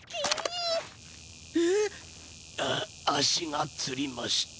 あ足がつりました。